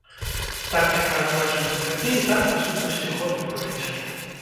Так, як мы адзначым гэты дзень, так, па сутнасці, год і пройдзе.